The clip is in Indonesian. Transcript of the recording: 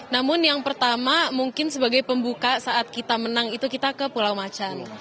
namun yang pertama mungkin sebagai pembuka saat kita menang itu kita ke pulau macan